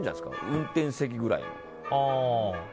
運転席ぐらい。